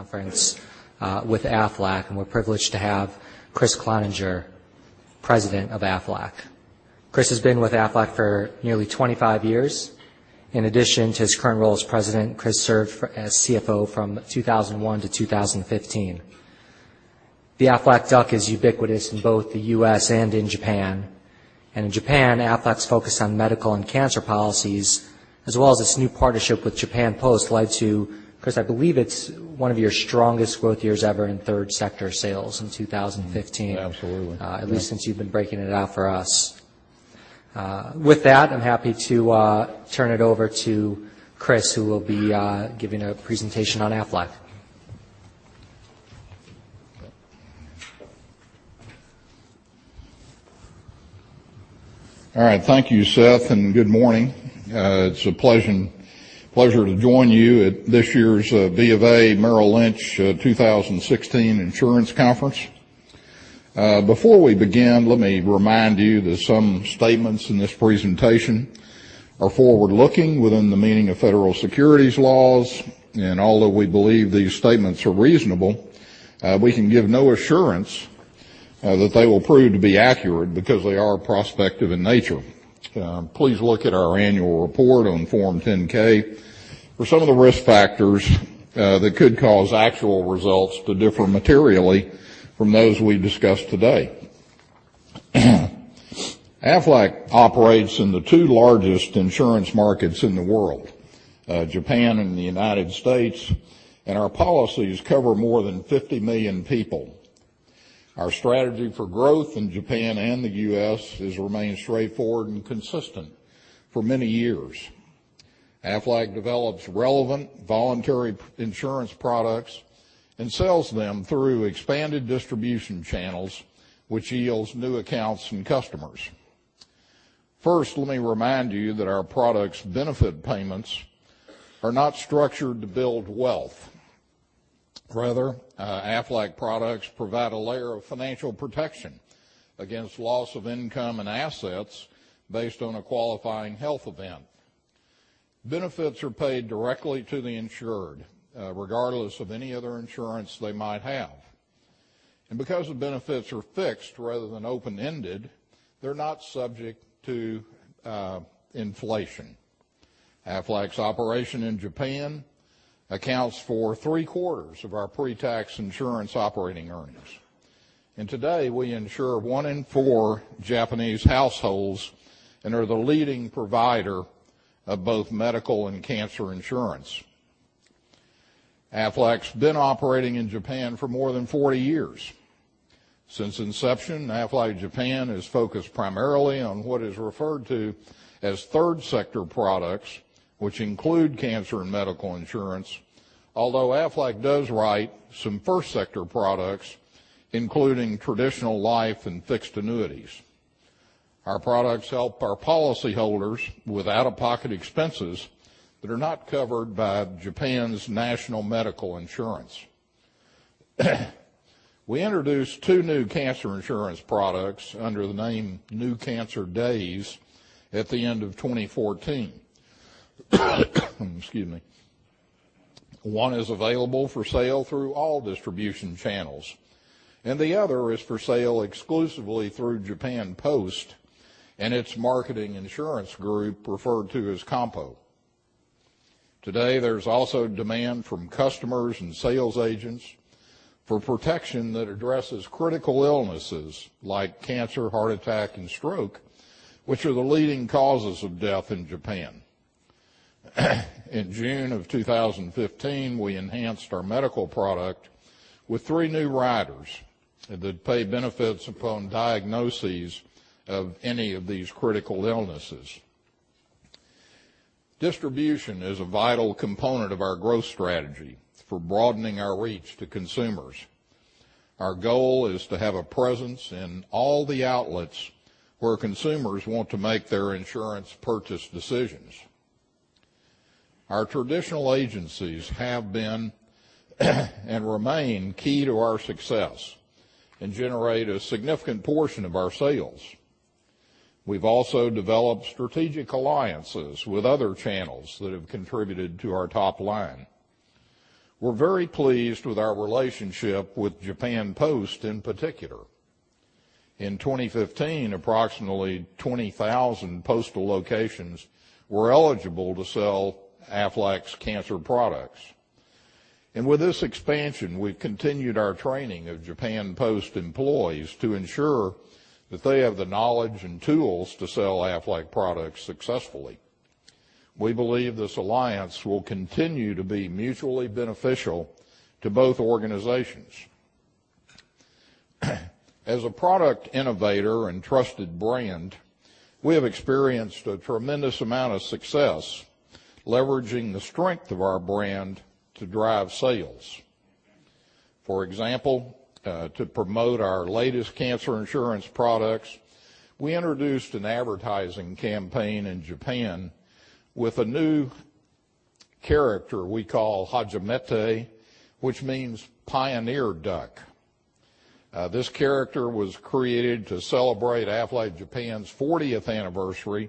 Conference with Aflac. We're privileged to have Kriss Cloninger, president of Aflac. Kriss has been with Aflac for nearly 25 years. In addition to his current role as president, Kriss served as CFO from 2001 to 2015. The Aflac Duck is ubiquitous in both the U.S. and in Japan. In Japan, Aflac's focus on medical and cancer policies, as well as its new partnership with Japan Post led to, Kriss, I believe it's one of your strongest growth years ever in third sector sales in 2015. Absolutely. At least since you've been breaking it out for us. With that, I'm happy to turn it over to Kriss, who will be giving a presentation on Aflac. All right. Thank you, Seth, and good morning. It's a pleasure to join you at this year's BofA Merrill Lynch 2016 Insurance Conference. Before we begin, let me remind you that some statements in this presentation are forward-looking within the meaning of federal securities laws. Although we believe these statements are reasonable, we can give no assurance that they will prove to be accurate because they are prospective in nature. Please look at our annual report on Form 10-K for some of the risk factors that could cause actual results to differ materially from those we discuss today. Aflac operates in the two largest insurance markets in the world, Japan and the United States. Our policies cover more than 50 million people. Our strategy for growth in Japan and the U.S. has remained straightforward and consistent for many years. Aflac develops relevant voluntary insurance products and sells them through expanded distribution channels, which yields new accounts and customers. First, let me remind you that our products' benefit payments are not structured to build wealth. Rather, Aflac products provide a layer of financial protection against loss of income and assets based on a qualifying health event. Benefits are paid directly to the insured, regardless of any other insurance they might have. Because the benefits are fixed rather than open-ended, they're not subject to inflation. Aflac's operation in Japan accounts for three-quarters of our pre-tax insurance operating earnings. Today, we insure one in four Japanese households and are the leading provider of both medical and cancer insurance. Aflac's been operating in Japan for more than 40 years. Since inception, Aflac Japan has focused primarily on what is referred to as third sector products, which include cancer and medical insurance, although Aflac does write some first sector products, including traditional life and fixed annuities. Our products help our policyholders with out-of-pocket expenses that are not covered by Japan's national medical insurance. We introduced two new cancer insurance products under the name New Cancer Days at the end of 2014. Excuse me. One is available for sale through all distribution channels, and the other is for sale exclusively through Japan Post and its marketing insurance group referred to as Kampo. Today, there's also demand from customers and sales agents for protection that addresses critical illnesses like cancer, heart attack, and stroke, which are the leading causes of death in Japan. In June of 2015, we enhanced our medical product with three new riders that pay benefits upon diagnoses of any of these critical illnesses. Distribution is a vital component of our growth strategy for broadening our reach to consumers. Our goal is to have a presence in all the outlets where consumers want to make their insurance purchase decisions. Our traditional agencies have been and remain key to our success and generate a significant portion of our sales. We've also developed strategic alliances with other channels that have contributed to our top line. We're very pleased with our relationship with Japan Post in particular. In 2015, approximately 20,000 postal locations were eligible to sell Aflac's cancer products. With this expansion, we've continued our training of Japan Post employees to ensure that they have the knowledge and tools to sell Aflac products successfully. We believe this alliance will continue to be mutually beneficial to both organizations. As a product innovator and trusted brand, we have experienced a tremendous amount of success leveraging the strength of our brand to drive sales. For example, to promote our latest cancer insurance products, we introduced an advertising campaign in Japan with a new character we call Hajimete, which means pioneer duck. This character was created to celebrate Aflac Japan's 40th anniversary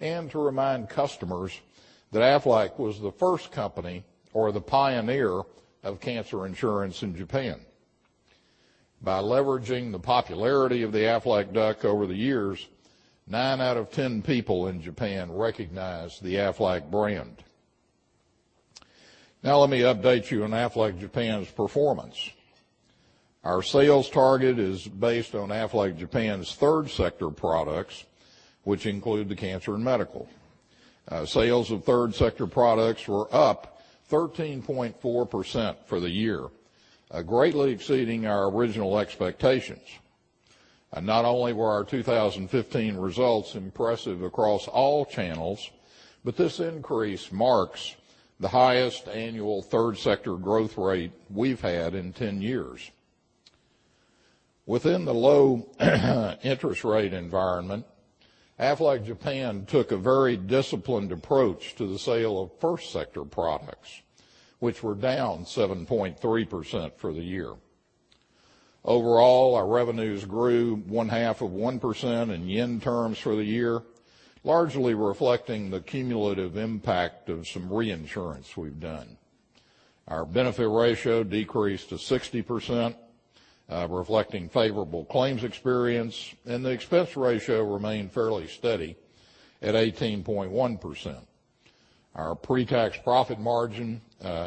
and to remind customers that Aflac was the first company, or the pioneer, of cancer insurance in Japan. By leveraging the popularity of the Aflac Duck over the years, nine out of 10 people in Japan recognize the Aflac brand. Let me update you on Aflac Japan's performance. Our sales target is based on Aflac Japan's third sector products, which include the cancer and medical. Sales of third sector products were up 13.4% for the year, greatly exceeding our original expectations. Not only were our 2015 results impressive across all channels, but this increase marks the highest annual third sector growth rate we've had in 10 years. Within the low interest rate environment, Aflac Japan took a very disciplined approach to the sale of first sector products, which were down 7.3% for the year. Overall, our revenues grew one-half of 1% in yen terms for the year, largely reflecting the cumulative impact of some reinsurance we've done. Our benefit ratio decreased to 60%, reflecting favorable claims experience, and the expense ratio remained fairly steady at 18.1%. Our pre-tax profit margin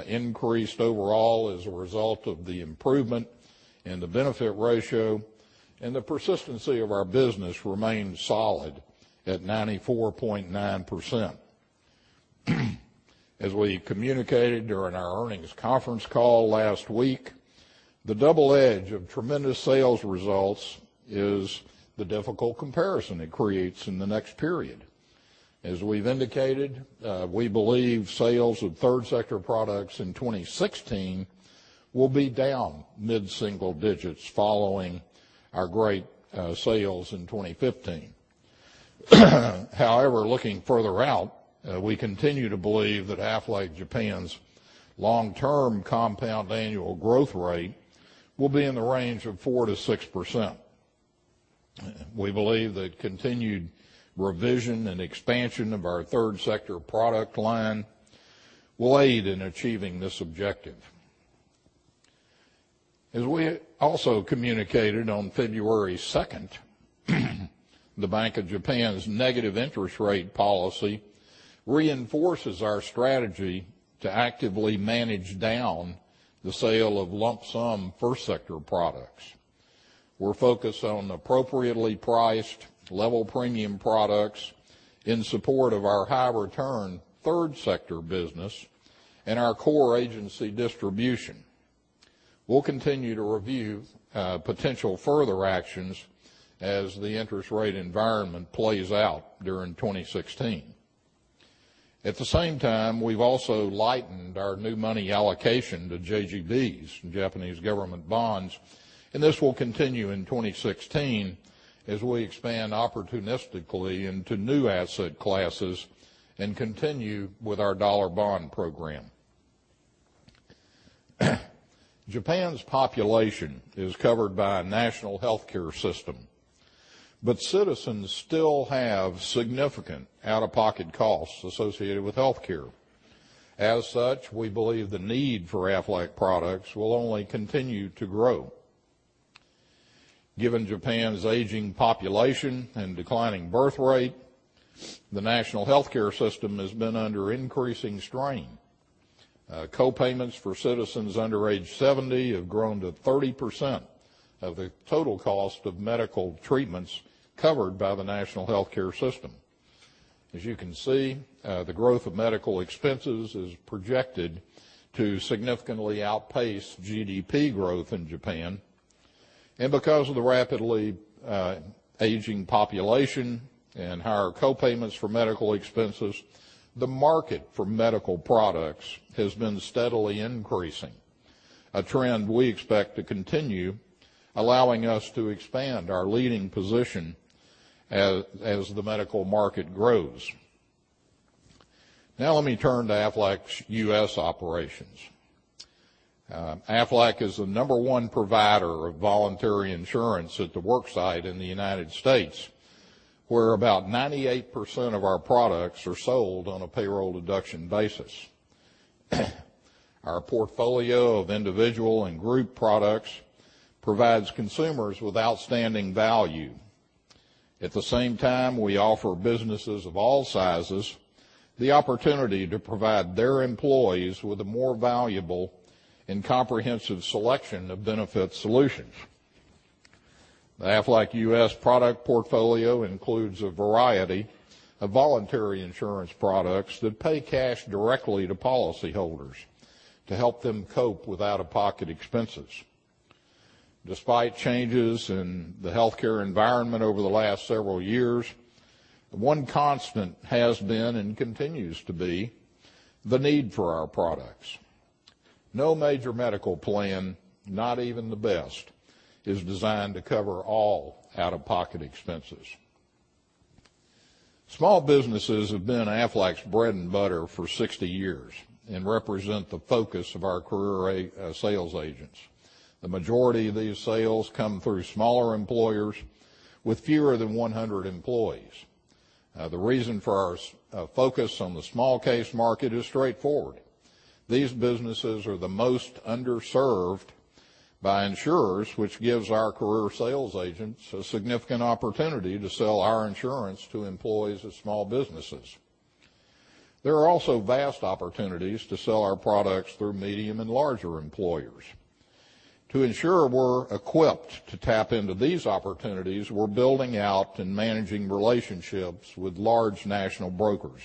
increased overall as a result of the improvement in the benefit ratio, and the persistency of our business remained solid at 94.9%. As we communicated during our earnings conference call last week, the double edge of tremendous sales results is the difficult comparison it creates in the next period. As we've indicated, we believe sales of third sector products in 2016 will be down mid-single digits following our great sales in 2015. Looking further out, we continue to believe that Aflac Japan's long-term compound annual growth rate will be in the range of 4%-6%. We believe that continued revision and expansion of our third sector product line will aid in achieving this objective. As we also communicated on February 2nd, the Bank of Japan's negative interest rate policy reinforces our strategy to actively manage down the sale of lump sum First Sector products. We're focused on appropriately priced level premium products in support of our high return third sector business and our core agency distribution. We'll continue to review potential further actions as the interest rate environment plays out during 2016. At the same time, we've also lightened our new money allocation to JGBs, Japanese Government Bonds, and this will continue in 2016 as we expand opportunistically into new asset classes and continue with our dollar bond program. Japan's population is covered by a national healthcare system, but citizens still have significant out-of-pocket costs associated with healthcare. As such, we believe the need for Aflac products will only continue to grow. Given Japan's aging population and declining birth rate, the national healthcare system has been under increasing strain. Co-payments for citizens under age 70 have grown to 30% of the total cost of medical treatments covered by the national healthcare system. As you can see, the growth of medical expenses is projected to significantly outpace GDP growth in Japan. Because of the rapidly aging population and higher co-payments for medical expenses, the market for medical products has been steadily increasing, a trend we expect to continue, allowing us to expand our leading position as the medical market grows. Let me turn to Aflac U.S. operations. Aflac is the number one provider of voluntary insurance at the work site in the United States, where about 98% of our products are sold on a payroll deduction basis. Our portfolio of individual and group products provides consumers with outstanding value. At the same time, we offer businesses of all sizes the opportunity to provide their employees with a more valuable and comprehensive selection of benefit solutions. The Aflac U.S. product portfolio includes a variety of voluntary insurance products that pay cash directly to policyholders to help them cope with out-of-pocket expenses. Despite changes in the healthcare environment over the last several years, the one constant has been and continues to be the need for our products. No major medical plan, not even the best, is designed to cover all out-of-pocket expenses. Small businesses have been Aflac's bread and butter for 60 years and represent the focus of our career sales agents. The majority of these sales come through smaller employers with fewer than 100 employees. The reason for our focus on the small case market is straightforward. These businesses are the most underserved by insurers, which gives our career sales agents a significant opportunity to sell our insurance to employees of small businesses. There are also vast opportunities to sell our products through medium and larger employers. To ensure we're equipped to tap into these opportunities, we're building out and managing relationships with large national brokers.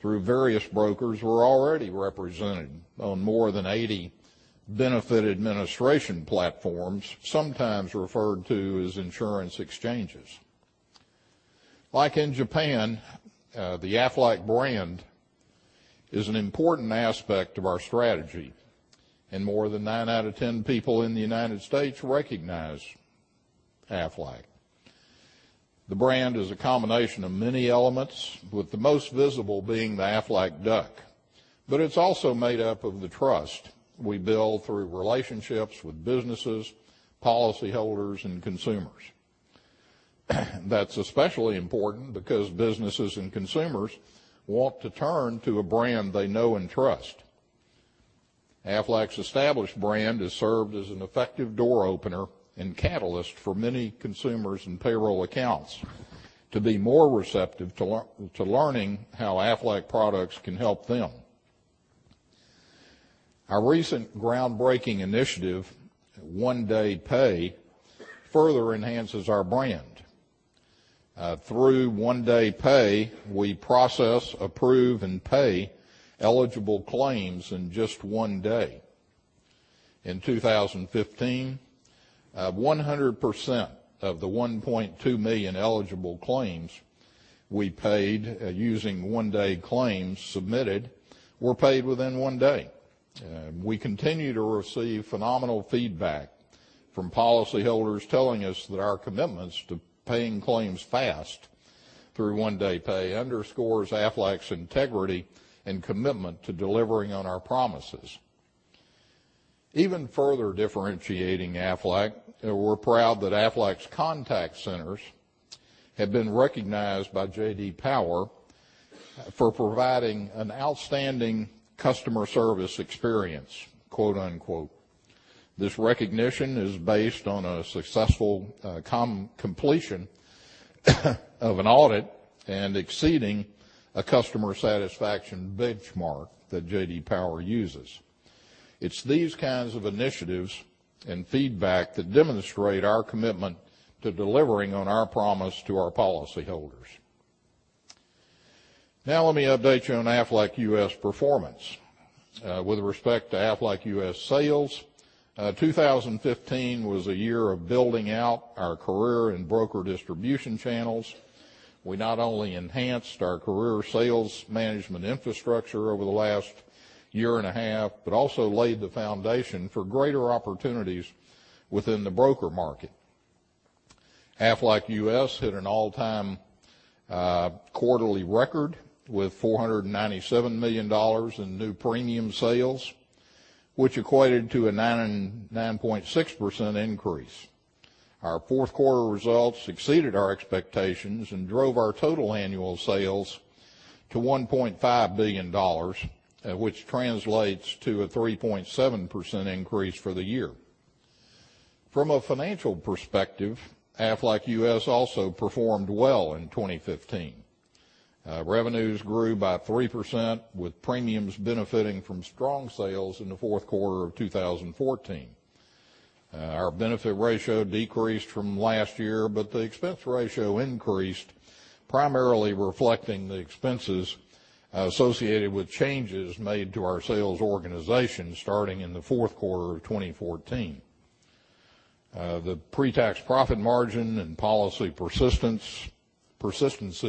Through various brokers, we're already represented on more than 80 benefit administration platforms, sometimes referred to as insurance exchanges. Like in Japan, the Aflac brand is an important aspect of our strategy, and more than 9 out of 10 people in the U.S. recognize Aflac. The brand is a combination of many elements, with the most visible being the Aflac Duck. It's also made up of the trust we build through relationships with businesses, policyholders, and consumers. That's especially important because businesses and consumers want to turn to a brand they know and trust. Aflac's established brand has served as an effective door opener and catalyst for many consumers and payroll accounts to be more receptive to learning how Aflac products can help them. Our recent groundbreaking initiative, One Day Pay, further enhances our brand. Through One Day Pay, we process, approve, and pay eligible claims in just one day. In 2015, 100% of the 1.2 million eligible claims we paid using One Day claims submitted were paid within one day. We continue to receive phenomenal feedback from policyholders telling us that our commitments to paying claims fast through One Day Pay underscores Aflac's integrity and commitment to delivering on our promises. Even further differentiating Aflac, we're proud that Aflac's contact centers have been recognized by J.D. Power for providing an outstanding customer service experience. This recognition is based on a successful completion of an audit and exceeding a customer satisfaction benchmark that J.D. Power uses. It's these kinds of initiatives and feedback that demonstrate our commitment to delivering on our promise to our policyholders. Now let me update you on Aflac U.S. performance. With respect to Aflac U.S. sales, 2015 was a year of building out our career and broker distribution channels. We not only enhanced our career sales management infrastructure over the last year and a half, but also laid the foundation for greater opportunities within the broker market. Aflac U.S. hit an all-time quarterly record with $497 million in new premium sales, which equated to a 99.6% increase. Our fourth quarter results exceeded our expectations and drove our total annual sales to $1.5 billion, which translates to a 3.7% increase for the year. From a financial perspective, Aflac U.S. also performed well in 2015. Revenues grew by 3%, with premiums benefiting from strong sales in the fourth quarter of 2014. Our benefit ratio decreased from last year, the expense ratio increased, primarily reflecting the expenses associated with changes made to our sales organization starting in the fourth quarter of 2014. The pre-tax profit margin and policy persistency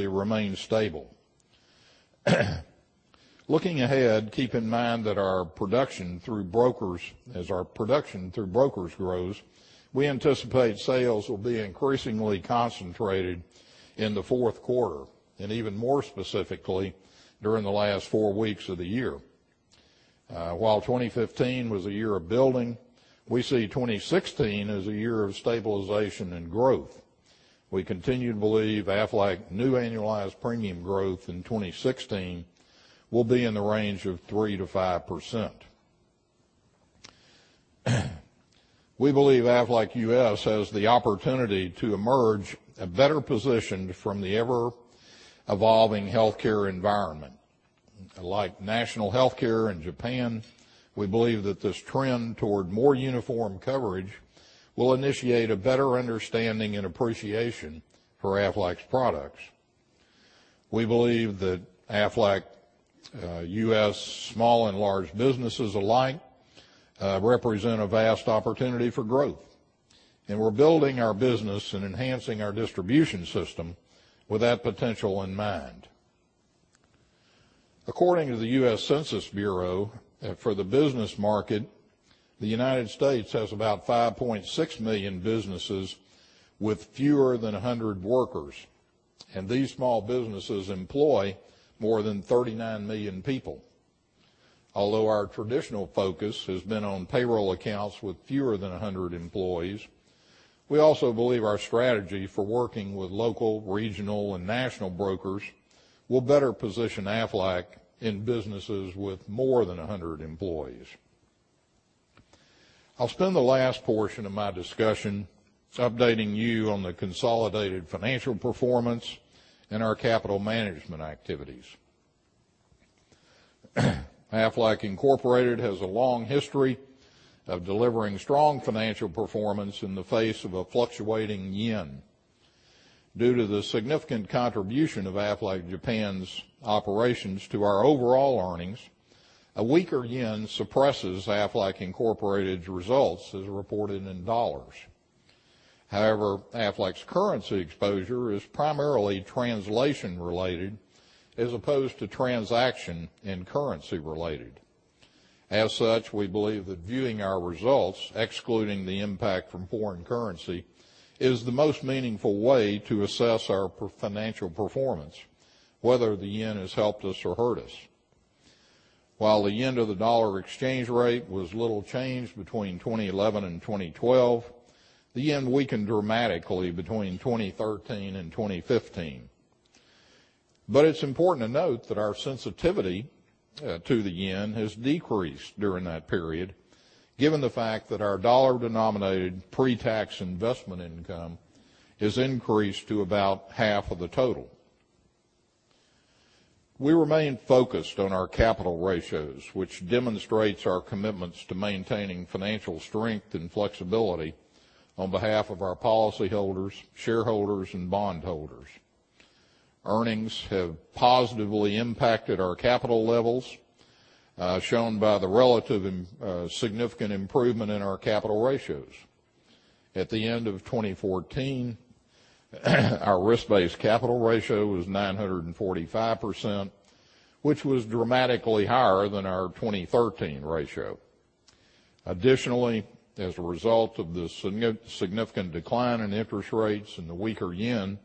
remained stable. Looking ahead, keep in mind that as our production through brokers grows, we anticipate sales will be increasingly concentrated in the fourth quarter, and even more specifically, during the last four weeks of the year. While 2015 was a year of building, we see 2016 as a year of stabilization and growth. We continue to believe Aflac new annualized premium growth in 2016 will be in the range of 3%-5%. We believe Aflac U.S. has the opportunity to emerge better positioned from the ever-evolving healthcare environment. Like national healthcare in Japan, we believe that this trend toward more uniform coverage will initiate a better understanding and appreciation for Aflac's products. We believe that Aflac U.S. small and large businesses alike represent a vast opportunity for growth, and we're building our business and enhancing our distribution system with that potential in mind. According to the United States Census Bureau, for the business market, the United States has about 5.6 million businesses with fewer than 100 workers. These small businesses employ more than 39 million people. Although our traditional focus has been on payroll accounts with fewer than 100 employees, we also believe our strategy for working with local, regional, and national brokers will better position Aflac in businesses with more than 100 employees. I'll spend the last portion of my discussion updating you on the consolidated financial performance and our capital management activities. Aflac Incorporated has a long history of delivering strong financial performance in the face of a fluctuating yen. Due to the significant contribution of Aflac Japan's operations to our overall earnings, a weaker yen suppresses Aflac Incorporated's results as reported in dollars. However, Aflac's currency exposure is primarily translation related as opposed to transaction and currency related. As such, we believe that viewing our results, excluding the impact from foreign currency, is the most meaningful way to assess our financial performance, whether the yen has helped us or hurt us. While the yen to the dollar exchange rate was little changed between 2011 and 2012, the yen weakened dramatically between 2013 and 2015. It's important to note that our sensitivity to the yen has decreased during that period, given the fact that our dollar-denominated pretax investment income has increased to about half of the total. We remain focused on our capital ratios, which demonstrates our commitments to maintaining financial strength and flexibility on behalf of our policyholders, shareholders, and bondholders. Earnings have positively impacted our capital levels, shown by the relative and significant improvement in our capital ratios. At the end of 2014, our risk-based capital ratio was 945%, which was dramatically higher than our 2013 ratio. Additionally, as a result of the significant decline in interest rates and the weaker yen,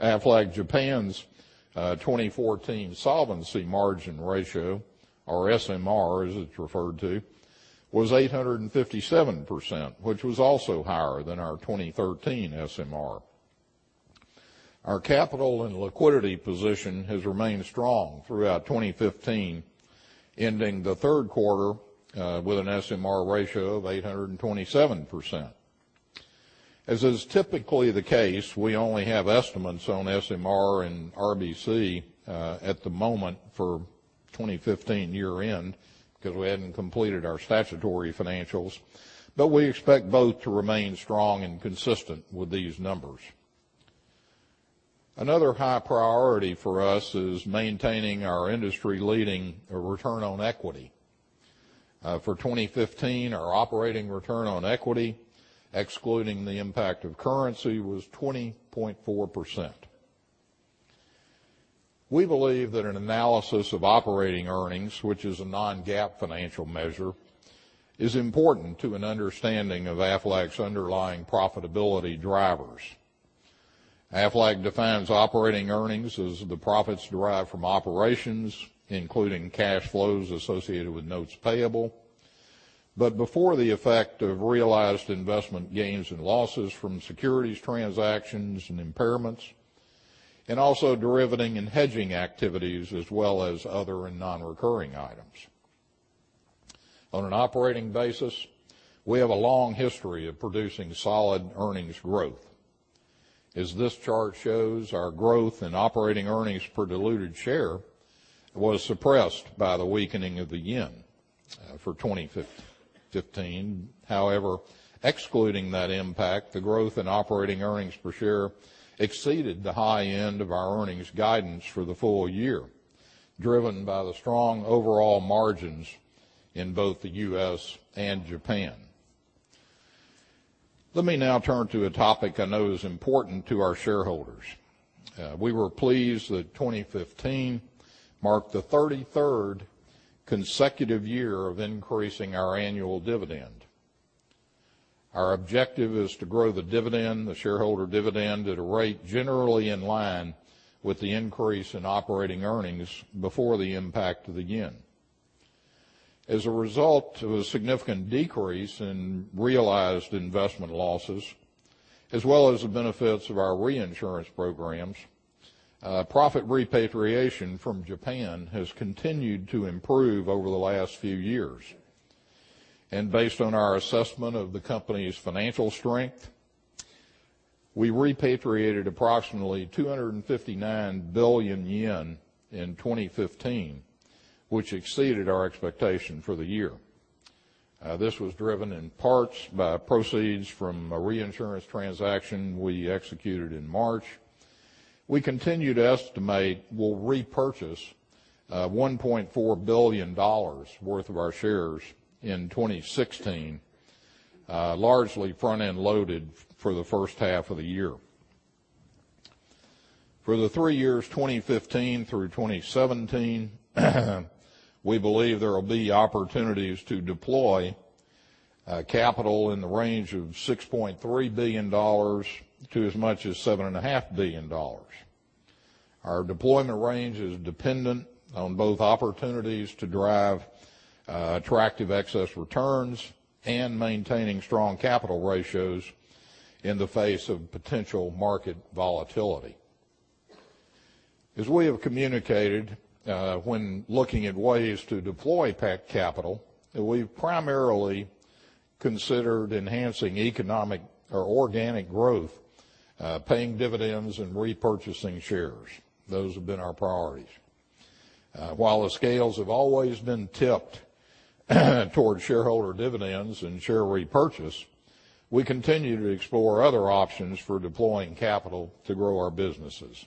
Aflac Japan's 2014 solvency margin ratio, or SMR, as it's referred to, was 857%, which was also higher than our 2013 SMR. Our capital and liquidity position has remained strong throughout 2015, ending the third quarter with an SMR ratio of 827%. As is typically the case, we only have estimates on SMR and RBC at the moment for 2015 year-end because we haven't completed our statutory financials, but we expect both to remain strong and consistent with these numbers. Another high priority for us is maintaining our industry-leading return on equity. For 2015, our operating return on equity, excluding the impact of currency, was 20.4%. We believe that an analysis of operating earnings, which is a non-GAAP financial measure, is important to an understanding of Aflac's underlying profitability drivers. Aflac defines operating earnings as the profits derived from operations, including cash flows associated with notes payable, but before the effect of realized investment gains and losses from securities transactions and impairments, and also derivative and hedging activities, as well as other and non-recurring items. On an operating basis, we have a long history of producing solid earnings growth. As this chart shows, our growth in operating earnings per diluted share was suppressed by the weakening of the yen for 2015. Excluding that impact, the growth in operating earnings per share exceeded the high end of our earnings guidance for the full year, driven by the strong overall margins in both the U.S. and Japan. Let me now turn to a topic I know is important to our shareholders. We were pleased that 2015 marked the 33rd consecutive year of increasing our annual dividend. Our objective is to grow the shareholder dividend at a rate generally in line with the increase in operating earnings before the impact of the yen. As a result of a significant decrease in realized investment losses, as well as the benefits of our reinsurance programs, profit repatriation from Japan has continued to improve over the last few years. Based on our assessment of the company's financial strength, we repatriated approximately 259 billion yen in 2015, which exceeded our expectation for the year. This was driven in parts by proceeds from a reinsurance transaction we executed in March. We continue to estimate we'll repurchase $1.4 billion worth of our shares in 2016 Largely front-end loaded for the first half of the year. For the three years 2015 through 2017, we believe there will be opportunities to deploy capital in the range of $6.3 billion-$7.5 billion. Our deployment range is dependent on both opportunities to drive attractive excess returns and maintaining strong capital ratios in the face of potential market volatility. As we have communicated, when looking at ways to deploy packed capital, we've primarily considered enhancing economic or organic growth, paying dividends, and repurchasing shares. Those have been our priorities. While the scales have always been tipped toward shareholder dividends and share repurchase, we continue to explore other options for deploying capital to grow our businesses.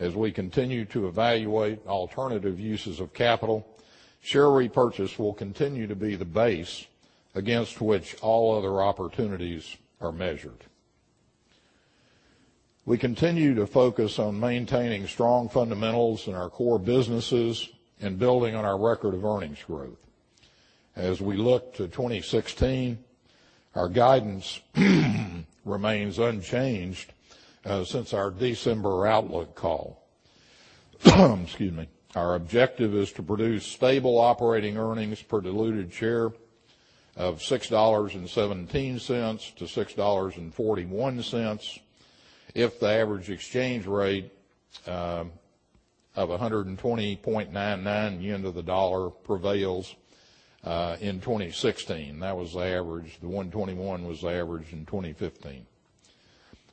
As we continue to evaluate alternative uses of capital, share repurchase will continue to be the base against which all other opportunities are measured. We continue to focus on maintaining strong fundamentals in our core businesses and building on our record of earnings growth. As we look to 2016, our guidance remains unchanged since our December outlook call. Excuse me. Our objective is to produce stable operating earnings per diluted share of $6.17-$6.41 if the average exchange rate of 120.99 yen to the dollar prevails in 2016. That was the average. The 121 was the average in 2015.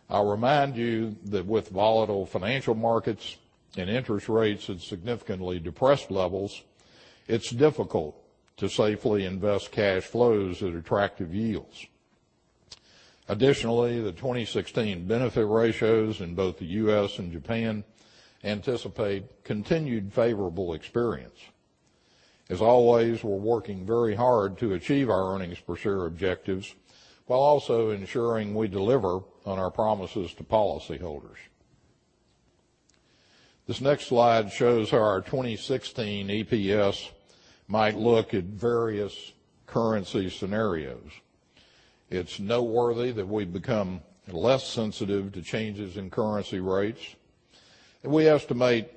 I'll remind you that with volatile financial markets and interest rates at significantly depressed levels, it's difficult to safely invest cash flows at attractive yields. Additionally, the 2016 benefit ratios in both the U.S. and Japan anticipate continued favorable experience. As always, we're working very hard to achieve our earnings per share objectives, while also ensuring we deliver on our promises to policyholders. This next slide shows how our 2016 EPS might look at various currency scenarios. It's noteworthy that we've become less sensitive to changes in currency rates. We estimate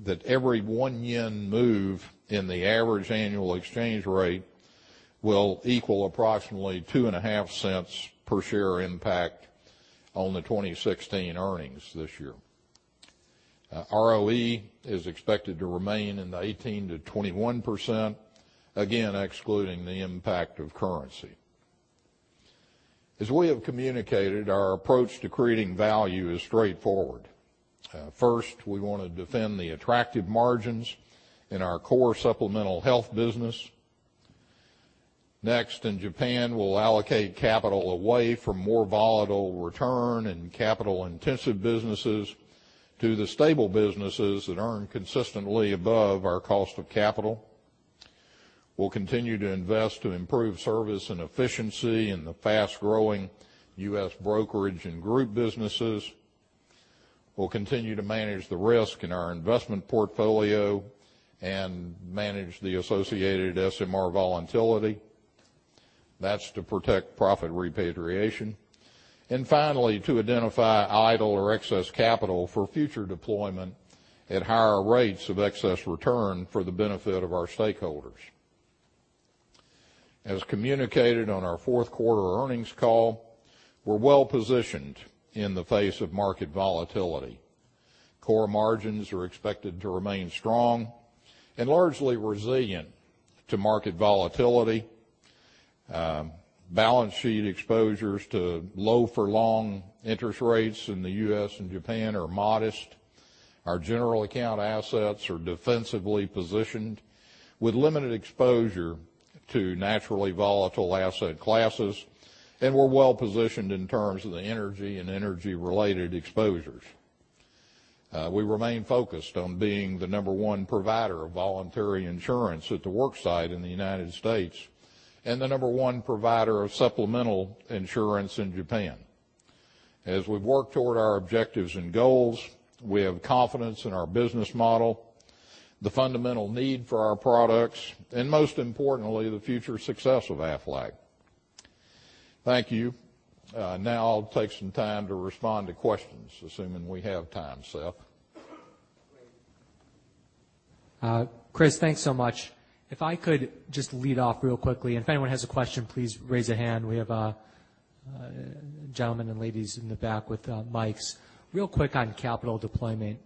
that every one yen move in the average annual exchange rate will equal approximately $0.025 per share impact on the 2016 earnings this year. ROE is expected to remain in the 18%-21%, again, excluding the impact of currency. As we have communicated, our approach to creating value is straightforward. First, we want to defend the attractive margins in our core supplemental health business. In Japan, we'll allocate capital away from more volatile return and capital intensive businesses to the stable businesses that earn consistently above our cost of capital. We'll continue to invest to improve service and efficiency in the fast-growing U.S. brokerage and group businesses. We'll continue to manage the risk in our investment portfolio and manage the associated SMR volatility. That's to protect profit repatriation. Finally, to identify idle or excess capital for future deployment at higher rates of excess return for the benefit of our stakeholders. As communicated on our fourth quarter earnings call, we're well-positioned in the face of market volatility. Core margins are expected to remain strong and largely resilient to market volatility. Balance sheet exposures to low-for-long interest rates in the U.S. and Japan are modest. Our general account assets are defensively positioned with limited exposure to naturally volatile asset classes, and we're well-positioned in terms of the energy and energy-related exposures. We remain focused on being the number one provider of voluntary insurance at the work site in the United States and the number one provider of supplemental insurance in Japan. As we've worked toward our objectives and goals, we have confidence in our business model, the fundamental need for our products, and most importantly, the future success of Aflac. Thank you. Now I'll take some time to respond to questions, assuming we have time, Seth. Kriss, thanks so much. If I could just lead off real quickly and if anyone has a question, please raise a hand, we have gentlemen and ladies in the back with the mics. Real quick on capital deployment.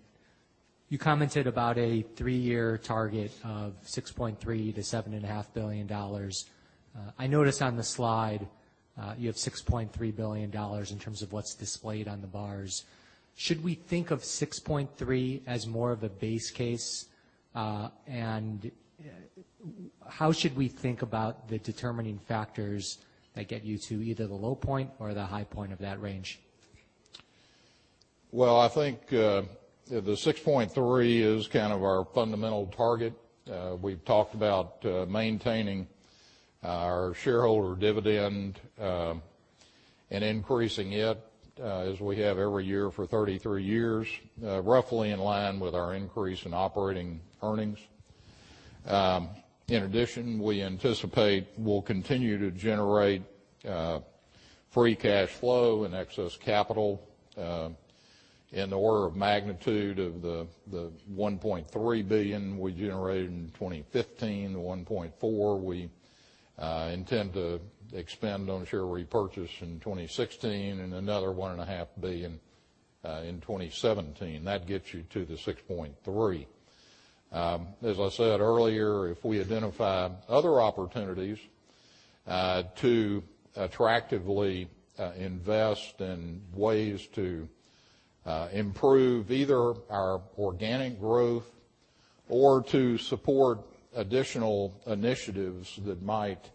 You commented about a three-year target of $6.3 billion-$7.5 billion, I know it's on the slide, you have $6.3 billion in terms of what is displayed on the bars. Should we think of $6.3 billion as more of a base case. And how should we think about the determining factors that get you either to low point or a high point of that range? Well, I think the $6.3 billion is kind of our fundamental target. We've talked about maintaining our shareholder dividend and increasing it, as we have every year for 33 years, roughly in line with our increase in operating earnings. We anticipate we'll continue to generate free cash flow and excess capital in the order of magnitude of the $1.3 billion we generated in 2015, the $1.4 billion we intend to expend on share repurchase in 2016, and another $1.5 billion in 2017. That gets you to the 6.3. As I said earlier, if we identify other opportunities to attractively invest in ways to improve either our organic growth or to support additional initiatives that might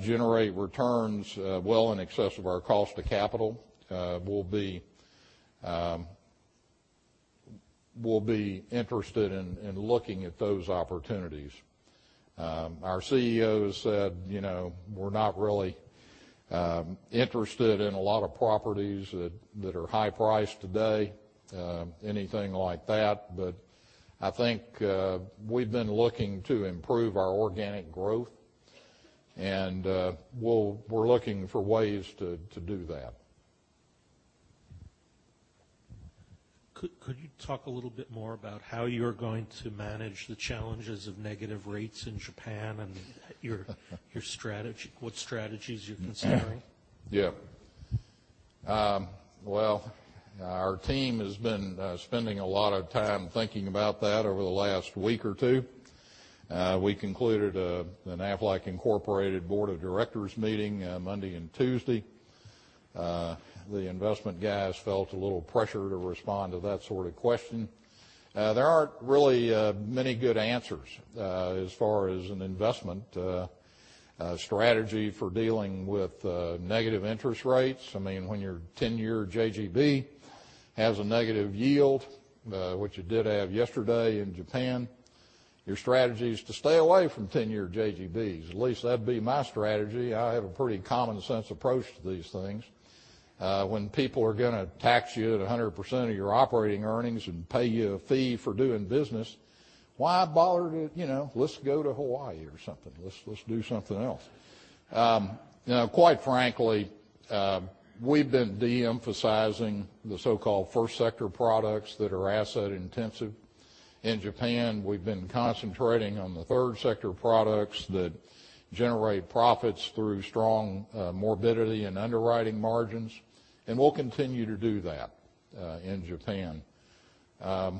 generate returns well in excess of our cost to capital, we'll be interested in looking at those opportunities. Our CEO said we're not really interested in a lot of properties that are high priced today, anything like that. I think we've been looking to improve our organic growth, and we're looking for ways to do that. Could you talk a little bit more about how you're going to manage the challenges of negative rates in Japan and what strategies you're considering? Yeah. Well, our team has been spending a lot of time thinking about that over the last week or two. We concluded an Aflac Incorporated board of directors meeting Monday and Tuesday. The investment guys felt a little pressure to respond to that sort of question. There aren't really many good answers as far as an investment strategy for dealing with negative interest rates. I mean, when your 10-year JGB has a negative yield, which it did have yesterday in Japan, your strategy is to stay away from 10-year JGBs. At least that'd be my strategy. I have a pretty common sense approach to these things. When people are going to tax you at 100% of your operating earnings and pay you a fee for doing business, why bother? Let's go to Hawaii or something. Let's do something else. Quite frankly, we've been de-emphasizing the so-called first sector products that are asset intensive. In Japan, we've been concentrating on the third sector products that generate profits through strong morbidity and underwriting margins, and we'll continue to do that in Japan. I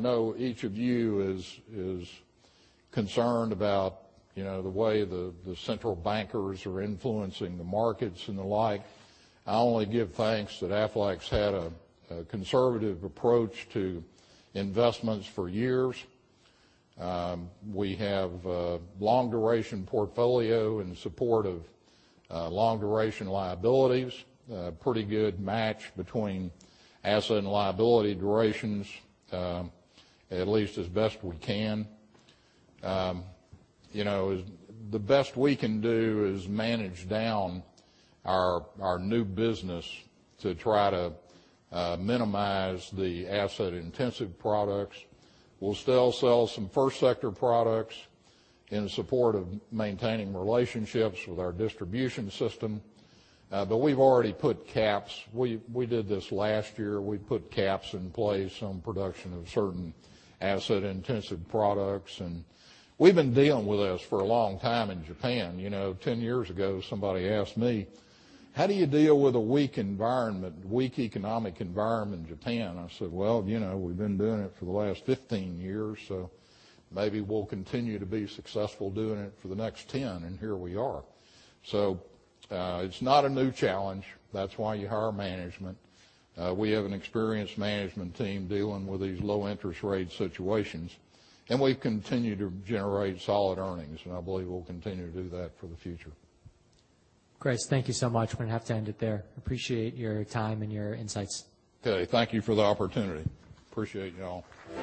know each of you is concerned about the way the central bankers are influencing the markets and the like. I only give thanks that Aflac's had a conservative approach to investments for years. We have a long duration portfolio in support of long duration liabilities. A pretty good match between asset and liability durations, at least as best we can. The best we can do is manage down our new business to try to minimize the asset intensive products. We'll still sell some first sector products in support of maintaining relationships with our distribution system. We've already put caps. We did this last year. We put caps in place on production of certain asset intensive products, and we've been dealing with this for a long time in Japan. 10 years ago, somebody asked me, "How do you deal with a weak economic environment in Japan?" I said, "Well, we've been doing it for the last 15 years, so maybe we'll continue to be successful doing it for the next 10," and here we are. It's not a new challenge. That's why you hire management. We have an experienced management team dealing with these low interest rate situations, and we continue to generate solid earnings, and I believe we'll continue to do that for the future. Great. Thank you so much. We're going to have to end it there. Appreciate your time and your insights. Okay. Thank you for the opportunity. Appreciate y'all.